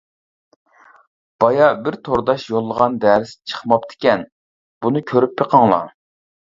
بايا بىر تورداش يوللىغان دەرس چىقماپتىكەن بۇنى كۆرۈپ بېقىڭلار.